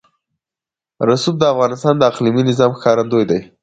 رسوب د افغانستان د اقلیمي نظام ښکارندوی ده.